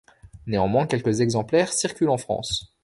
Néanmoins, quelques exemplaires circulent en France.